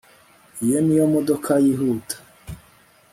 iyo niyo modoka yihuta